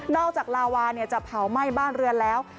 จากลาวาจะเผาไหม้บ้านเรือนแล้ว